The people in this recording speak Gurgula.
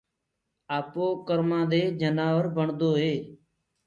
آپو ڪرمآنٚ دي جنآور بڻدوئي